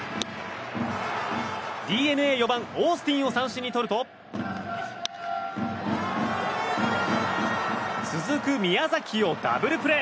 ＤｅＮＡ４番、オースティンを三振に取ると続く宮崎をダブルプレー。